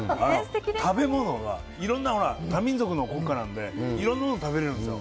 食べ物は、いろいろな、多民族の国家なのでいろんなものを食べられるんですよ。